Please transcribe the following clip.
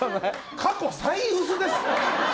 過去最薄ですよ。